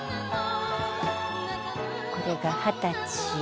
これが二十歳。